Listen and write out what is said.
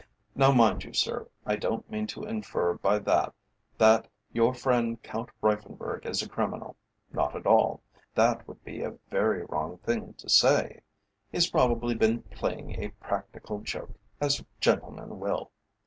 Now mind you, sir, I don't mean to infer by that that your friend Count Reiffenburg is a criminal. Not at all; that would be a very wrong thing to say. He's probably been playing a practical joke, as gentlemen will.